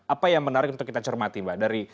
apa yang menarik untuk kita cermati mbak